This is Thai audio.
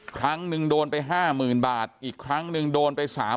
ครั้งนึงโดนไป๕๐๐๐บาทอีกครั้งหนึ่งโดนไป๓๐๐